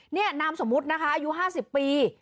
นี่นามสมมุตินะคะอายุ๕๐ปี